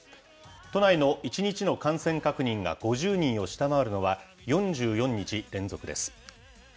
都内の１日の感染確認が５０人を下回るのは、４４日連続です。